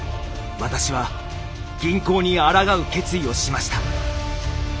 私は銀行にあらがう決意をしました。